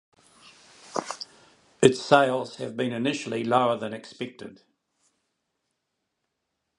Its sales have been initially lower than expected.